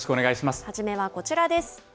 初めはこちらです。